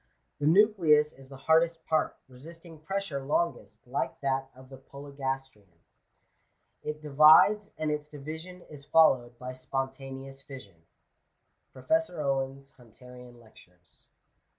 The nucleus is the hardest part, resisting pressure longest, like that of the Polygastrian. It divides, and its division is followed by spontaneous fission.'' — Prtfeuor Owen's HunUrian Lecture*.